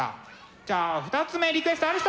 じゃあ２つ目リクエストある人！